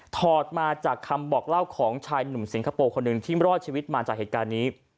ถอดมาจากคำบอกเล่าของชายหนุ่มสิงคโปร์คนหนึ่งที่รอดชีวิตมาจากเหตุการณ์นี้